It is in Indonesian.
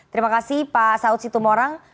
terima kasih pak saud situmorang